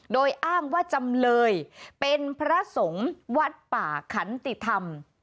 โดยอ้างว่าจำเลยเป็นพระสงฆ์วัดป่าขันติธรรม